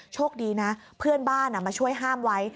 โชคดีนะเพื่อนบ้านมาช่วยห้ามไว้